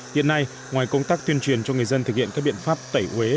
hiện nay ngoài công tác tuyên truyền cho người dân thực hiện các biện pháp tẩy uế